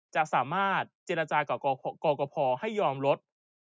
จะสามารถเจรจากกพให้ยอมลด